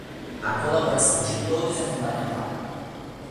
A colaboração de todos é fundamental